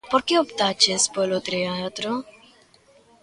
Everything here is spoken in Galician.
Por que optaches polo teatro?